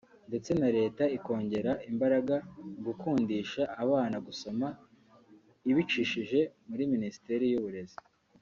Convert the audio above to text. ndetse na Leta ikongera imbaraga mu gukundisha abana gusoma ibicishije muri Minisiteri y’uburezi